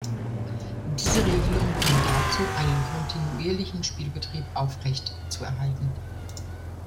Diese Regelung dient dazu, einen kontinuierlichen Spielbetrieb aufrechtzuerhalten.